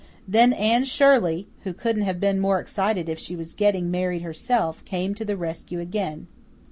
Then Anne Shirley, who couldn't have been more excited if she was getting married herself, came to the rescue again.